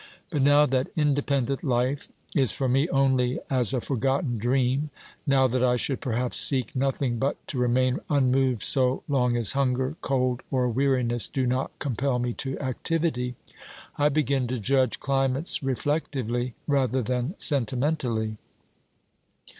But now that independent life is for me only as a for gotten dream, now that I should perhaps seek nothing but to remain unmoved so long as hunger, cold, or weariness do not compel me to activity, I begin to judge climates re 296 OBERMANN flectively rather than sentimentally.